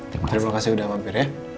terima kasih sudah mampir ya